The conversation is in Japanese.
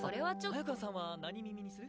早川さんは何耳にする？